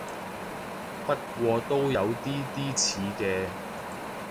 不過都有啲啲似嘅